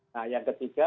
nah yang ketiga